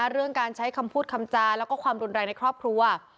เรื่องการใช้คำพูดคำจาแล้วก็ความรุนแรงในครอบครัว